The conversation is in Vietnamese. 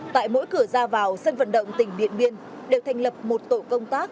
tại mỗi cửa ra vào sân vận động tỉnh điện biên đều thành lập một tổ công tác